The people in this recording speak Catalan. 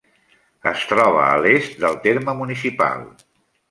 Es troba a l'est del terme municipal.